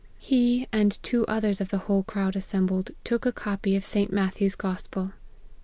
He, and two others of the whole crowd as 214 APPENDIX. sembled, took * copy of St. Matthew's Gospel.